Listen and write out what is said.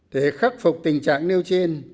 để khắc phục tình trạng nêu trên